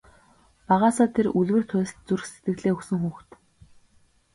Багаасаа тэр үлгэр туульст зүрх сэтгэлээ өгсөн хүүхэд.